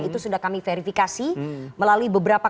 itu sudah kami verifikasi melalui beberapa